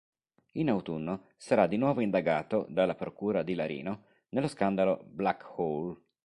In autunno, sarà di nuovo indagato, dalla procura di Larino, nello scandalo "Black Hole".